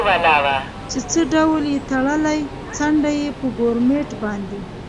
چې څه ډول یې تړلی، څنډه یې په ګورمېټ باندې.